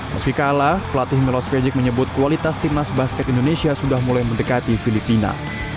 meski kalah pelatih milos fejik menyebut kualitas timnas basket indonesia sudah mulai mendekati filipina